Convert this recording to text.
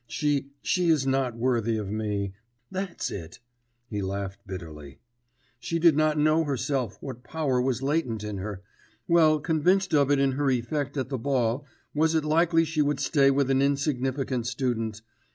She she is not worthy of me.... That's it!' (He laughed bitterly.) 'She did not know herself what power was latent in her, well, convinced of it in her effect at the ball, was it likely she would stay with an insignificant student?